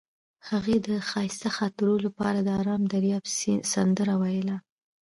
هغې د ښایسته خاطرو لپاره د آرام دریاب سندره ویله.